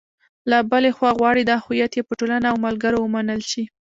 له بلې خوا غواړي دا هویت یې په ټولنه او ملګرو ومنل شي.